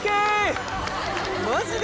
マジで？